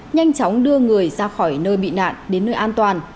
nhanh chóng đưa người ra khỏi nơi bị nạn đến nơi an toàn